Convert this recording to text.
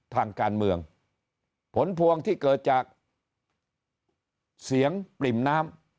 ทางการเมืองผลพวงที่เกิดจากเสียงปริ่มน้ำ